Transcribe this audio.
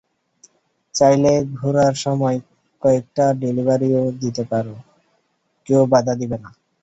চাইলে ঘোরার সময় কয়েকটা ডেলিভারিও দিতে পারো, কেউ বাধা দিবে না।